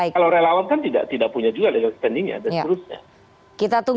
kalau relawan kan tidak punya juga legal standingnya dan seterusnya